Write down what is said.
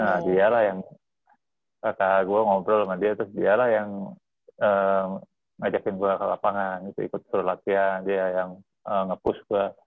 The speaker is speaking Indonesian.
nah dia lah yang kakak gue ngobrol sama dia terus dialah yang ngajakin gue ke lapangan itu ikut terus latihan dia yang nge push gue